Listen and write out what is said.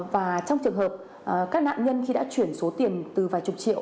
và trong trường hợp các nạn nhân khi đã chuyển số tiền từ vài chục triệu